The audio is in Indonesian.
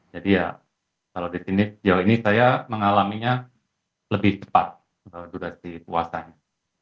jadi ya kalau disini sejauh ini saya mengalaminya lebih cepat durasi puasanya